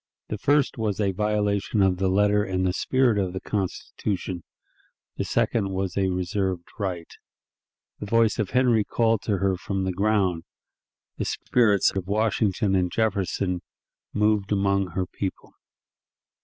The first was a violation of the letter and the spirit of the Constitution; the second was a reserved right. The voice of Henry called to her from the ground; the spirits of Washington and Jefferson moved among her people.